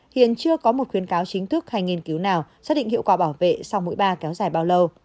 hiện chưa có một khuyên cáo chính thức hay nghiên cứu nào xác định hiệu quả bảo vệ sau mũi ba kéo dài bao lâu